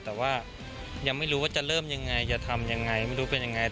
แต่ว่ายังไม่รู้ว่าจะเริ่มยังไงจะทำยังไงไม่รู้เป็นยังไง